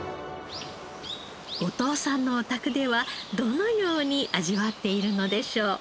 後藤さんのお宅ではどのように味わっているのでしょう？